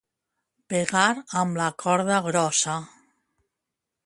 Pegar amb la corda grossa.